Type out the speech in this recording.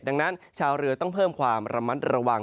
ดังนั้นชาวเรือต้องเพิ่มความระมัดระวัง